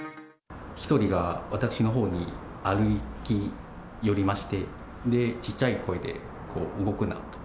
１人が私のほうに歩き寄りまして、小っちゃい声で、動くなと。